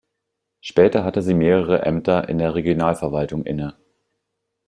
Später hatte sie mehrere Ämter in der Regionalverwaltung inne.